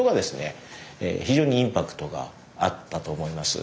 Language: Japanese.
非常にインパクトがあったと思います。